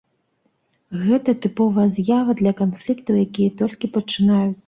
Гэта тыповая з'ява для канфліктаў, якія толькі пачынаюцца.